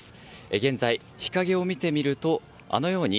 現在、日陰を見てみるとあのように